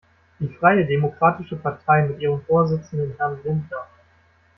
Die freie Demokratische Partei mit ihrem Vorsitzenden Herrn Lindner.